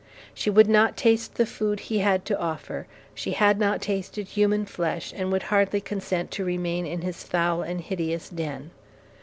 She would not taste the food he had to offer. She had not tasted human flesh, and would hardly consent to remain in his foul and hideous den.